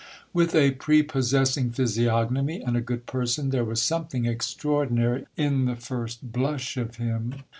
With a prepossessing physiognomy and a good person, there was something extraordinary in the first blush of him.